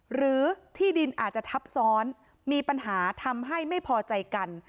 หรือที่ดินอาจจะทับซ้อนมีปัญหาทำให้ไม่พอใจกัน